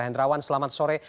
hendrawan selamat sore